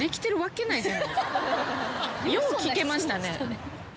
よう聞けましたね。